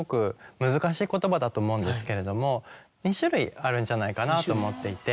だと思うんですけれども２種類あるんじゃないかなと思っていて。